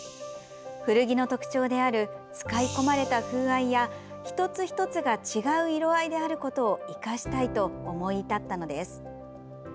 古着の特徴である使い込まれた風合いや一つ一つが違う色合いであることを生かしたいと思い至ったのです。